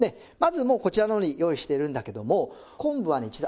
まずもうこちらの方に用意しているんだけども昆布はね